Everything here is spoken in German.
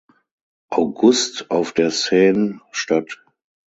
August auf der Seine statt.